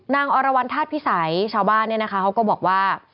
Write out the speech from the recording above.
อรวรรณธาตุพิสัยชาวบ้านเนี่ยนะคะเขาก็บอกว่า